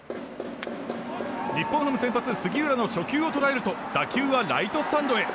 日本ハム先発、杉浦の初球を捉えると打球はライトスタンドへ。